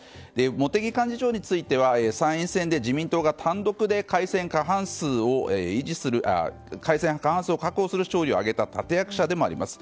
茂木幹事長については参院選で自民党が単独改選過半数を確保する勝利を挙げた立役者でもあります。